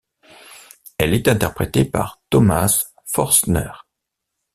Elle est interprétée par Thomas Forstner.